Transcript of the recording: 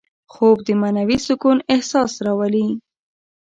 خوب د معنوي سکون احساس راولي